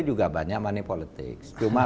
juga banyak money politics cuma